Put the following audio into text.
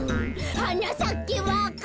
「はなさけわか蘭」